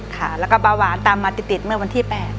ค่ะแล้วก็เบาหวานตามมาติดเมื่อวันที่๘